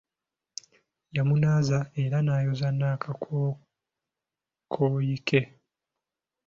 Yamunaaza, era n'ayoza n'akakooyi ke.